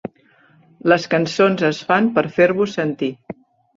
Les cançons es fan per fer-vos sentir.